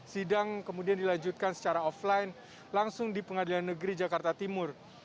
sidang kemudian dilanjutkan secara offline langsung di pengadilan negeri jakarta timur